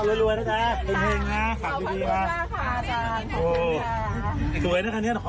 โอ้ยพอหนูด้วยนะคะ